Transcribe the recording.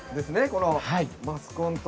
このマスコンと。